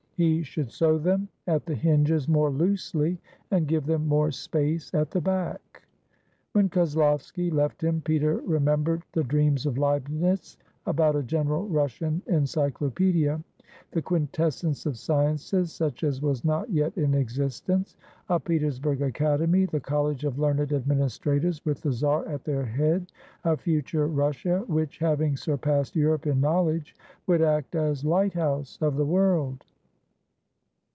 He should sew them at the hinges more loosely and give them more space at the back." When Koslovsky left him, Peter remembered the dreams of Leibnitz about a general Russian encyclo paedia — the quintessence of sciences, such as was not yet in existence; a Petersburg Academy, the college of learned administrators with the czar at their head; a future Russia, which, having surpassed Europe in knowledge, would act as lighthouse of the world.